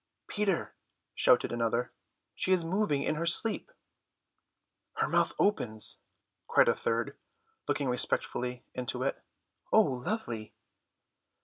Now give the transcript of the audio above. "Peter," shouted another, "she is moving in her sleep." "Her mouth opens," cried a third, looking respectfully into it. "Oh, lovely!"